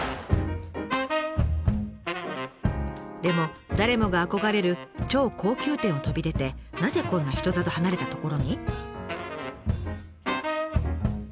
でも誰もが憧れる超高級店を飛び出てなぜこんな人里離れた所に？